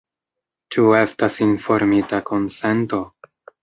Ĉu estas informita konsento?